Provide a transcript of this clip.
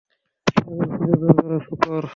Truffle খুঁজে বের করা শূকর।